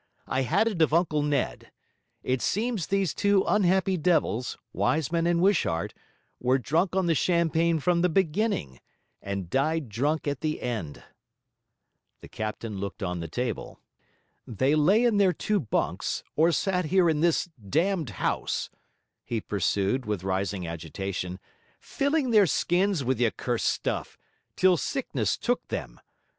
I had it of Uncle Ned. It seems these two unhappy devils, Wiseman and Wishart, were drunk on the champagne from the beginning and died drunk at the end.' The captain looked on the table. 'They lay in their two bunks, or sat here in this damned house,' he pursued, with rising agitation, 'filling their skins with the accursed stuff, till sickness took them.